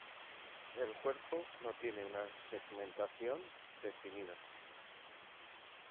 El cuerpo no tiene una segmentación definida.